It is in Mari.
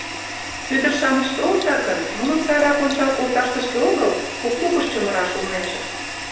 Ӱдыр-шамыч толытак гын, нуным сайрак ончал колташ тышке огыл, у клубыш чумыраш улнеже.